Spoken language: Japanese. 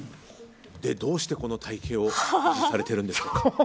どうしてこの体形を維持されているんですか。